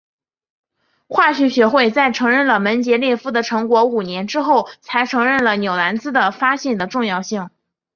化学学会在承认了门捷列夫的成果五年之后才承认纽兰兹的发现的重要性。